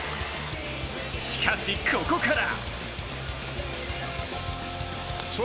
しかし、ここから！